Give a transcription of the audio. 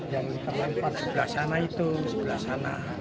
yang terlempar sebelah sana itu sebelah sana